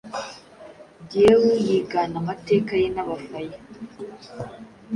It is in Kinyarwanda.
dyeu yigana amateka ye n'Abafaya